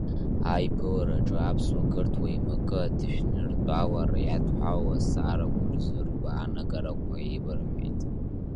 Аиԥылараҿы аԥсуа қырҭуа еимакы аҭышәныртәалара иадҳәалоу азҵаарақәа рзы ргәаанагарақәа еибырҳәеит.